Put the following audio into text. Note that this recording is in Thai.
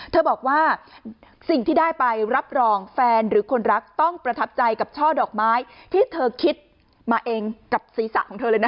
เธอบอกว่าสิ่งที่ได้ไปรับรองแฟนหรือคนรักต้องประทับใจกับช่อดอกไม้ที่เธอคิดมาเองกับศีรษะของเธอเลยนะ